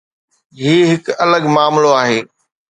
هي هڪ الڳ معاملو آهي.